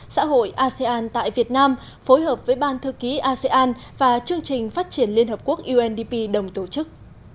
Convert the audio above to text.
xã hội asean tại việt nam phối hợp với ban thư ký asean và chương trình phát triển liên hợp quốc undp đồng tổ chức